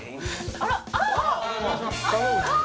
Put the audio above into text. あっ